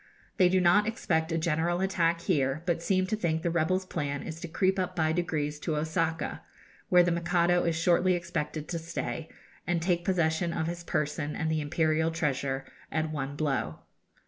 They do not expect a general attack here, but seem to think the rebels' plan is to creep up by degrees to Osaka, where the Mikado is shortly expected to stay, and take possession of his person and the imperial treasure at one blow.